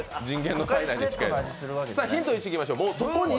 ヒント１いきましょう。